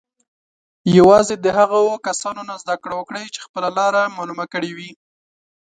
یوازې د هغو کسانو نه زده کړه وکړئ چې خپله لاره معلومه کړې وي.